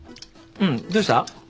うんどうした？